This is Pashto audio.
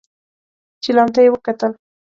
چيلم ته يې وکتل.